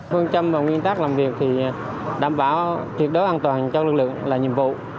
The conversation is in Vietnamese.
phương châm và nguyên tắc làm việc thì đảm bảo tuyệt đối an toàn cho lực lượng là nhiệm vụ